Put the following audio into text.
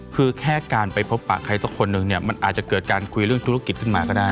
คือแค่การไปพบปะใครสักคนหนึ่งเนี่ยมันอาจจะเกิดการคุยเรื่องธุรกิจขึ้นมาก็ได้